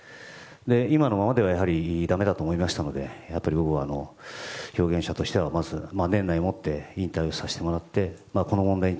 今のままではだめだと思いましたのでやっぱり僕は表現者としては年内をもって引退をさせてもらってこの問題に